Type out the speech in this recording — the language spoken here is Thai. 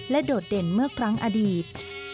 และโดดเด่นเมื่อกลางอดีต